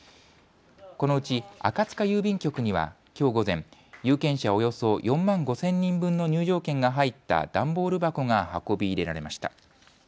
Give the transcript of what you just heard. このうち赤塚郵便局にはきょう午前、有権者およそ４万５０００人分の入場券が入った段ボール箱が運び入れられました。